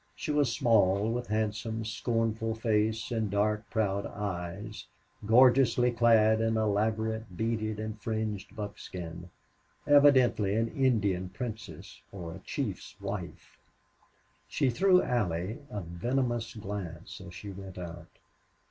She was small, with handsome, scornful face and dark, proud eyes, gorgeously clad in elaborate beaded and fringed buckskin evidently an Indian princess or a chief's wife. She threw Allie a venomous glance as she went out.